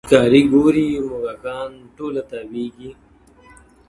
ښکاري ګوري موږکان ټوله تاوېږي,